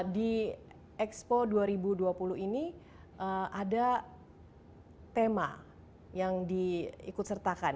di expo dua ribu dua puluh ini ada tema yang diikut sertakan